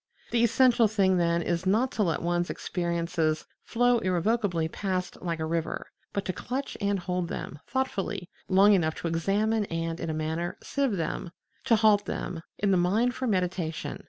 The essential thing, then, is not to let one's experiences flow irrevocably past like a river, but to clutch and hold them, thoughtfully, long enough to examine and, in a manner, sieve them, to halt them in the mind for meditation.